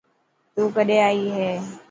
تون ڪڏهن ائي هي.